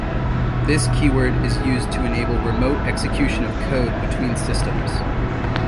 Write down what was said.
This keyword is used to enable remote execution of code between systems.